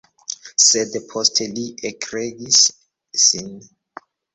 Sed poste li ekregis sin.